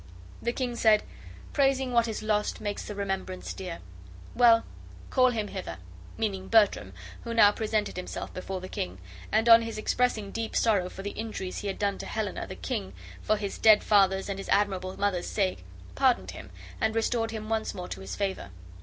The king said: "Praising what is lost makes the remembrance dear. Well call him hither"; meaning Bertram, who now presented himself before the king, and on his expressing deep sorrow for the injuries he had done to Helena the king, for his dead father's and his admirable mother's sake, pardoned him and restored him once more to his favor.